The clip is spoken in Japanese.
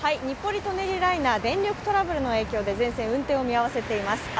日暮里・舎人ライナー、電力トラブルの影響で全線運転を見合わせています。